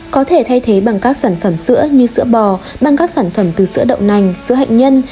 có thể thay thế bằng các sản phẩm sữa như sữa bò bằng các sản phẩm từ sữa đậu nành sữa hạt nhân